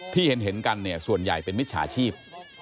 ที่เห็นกันเนี่ยส่วนใหญ่เป็นมิจฉาชีพ